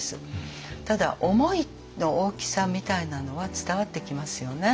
ただ思いの大きさみたいなのは伝わってきますよね。